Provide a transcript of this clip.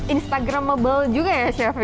instagramable juga ya chef ya